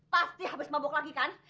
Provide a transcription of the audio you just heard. pasti habis mabuk lagi kan